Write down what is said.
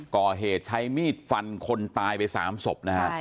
ก่อเหตุใช้มีดฟันคนตายไปสามศพ